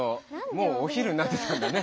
もうお昼になってたんだね。